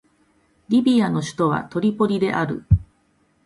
リビアの首都はトリポリである